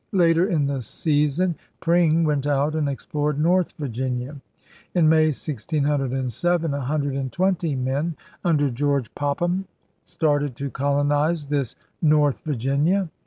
Later in the season Pring went out and explored * North Virginia. ' In May, 1607, a hundred and twenty men, under George Popham, started to colonize this 'North Virginia.'